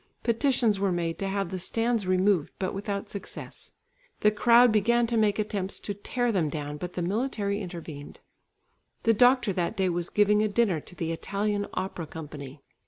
Petitions were made to have the stands removed, but without success. The crowd began to make attempts to tear them down, but the military intervened. The doctor that day was giving a dinner to the Italian Opera Company.